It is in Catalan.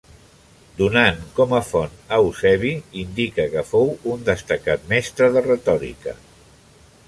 Donant com a font a Eusebi indica que fou un destacat mestre de retòrica.